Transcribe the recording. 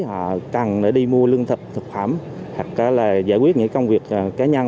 họ cần đi mua lương thực thực phẩm hoặc là giải quyết những công việc cá nhân